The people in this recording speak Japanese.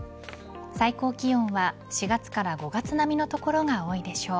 最高気温は４月から５月並みの所が多いでしょう。